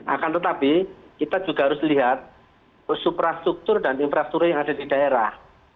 akan tetapi kita juga harus lihat suprastruktur dan infrastruktur yang ada di daerah